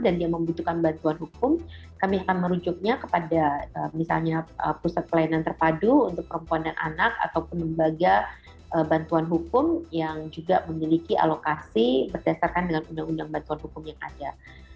dan dia membutuhkan bantuan hukum kami akan merujuknya kepada misalnya pusat pelayanan terpadu untuk perempuan dan anak ataupun lembaga bantuan hukum yang juga memiliki alokasi berdasarkan dengan undang undang bantuan hukum yang ada